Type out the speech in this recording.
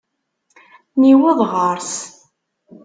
Niweḍ ɣer-s.